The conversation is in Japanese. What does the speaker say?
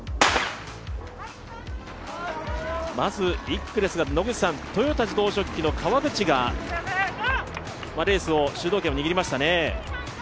まず１区ですが豊田自動織機の川口がレースの主導権を握りましたね。